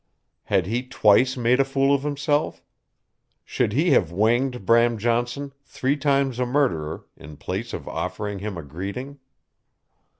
Had he twice made a fool of himself? Should he have winged Bram Johnson, three times a murderer, in place of offering him a greeting?